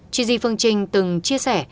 gigi phương trinh từng chia sẻ